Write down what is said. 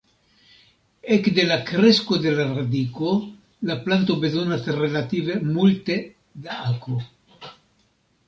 Ekde la kresko de la radiko la planto bezonas relative multe da akvo.